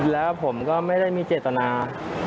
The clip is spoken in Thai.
แล้วผมก็ไม่ได้มีเจตนา